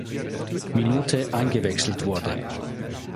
Minute eingewechselt wurde.